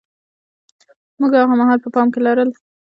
موږ هاغه مهال په پام کې لرل.